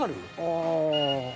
ああ。